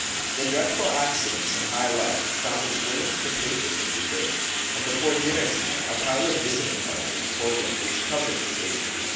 The "dreadful accident in high life" found its way into the papers of the day, and before dinner time a pile of visiting cards was poured in, which covered the table.